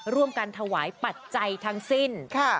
ร่วมกันถวายปัจจัยทั้งสิ้น